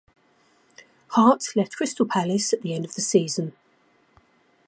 Hart left Crystal Palace at the end of the season.